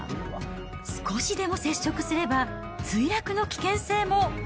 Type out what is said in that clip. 少しでも接触すれば、墜落の危険性も。